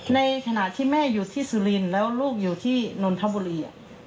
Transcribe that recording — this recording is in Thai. ในขณะที่แม่อยู่ที่สุรินแล้วลูกอยู่ที่สุริน